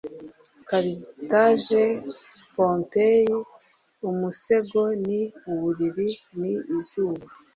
carthage pompeii? umusego ni uburiri? ni izuba